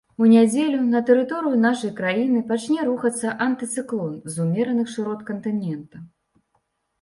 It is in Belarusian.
У нядзелю на тэрыторыю нашай краіны пачне рухацца антыцыклон з умераных шырот кантынента.